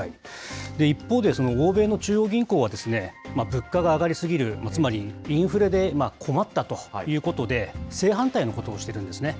一方で、欧米の中央銀行は、物価が上がり過ぎる、つまりインフレで困ったということで、正反対のことをしてるんですね。